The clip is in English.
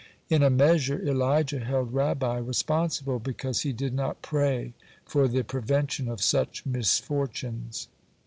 In a measure Elijah held Rabbi responsible, because he did not pray for the prevention of such misfortunes.